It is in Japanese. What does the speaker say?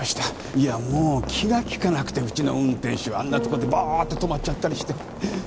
いやもう気が利かなくてうちの運転手あんなとこでぼっととまっちゃったりして。